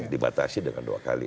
dibatasi dengan dua kali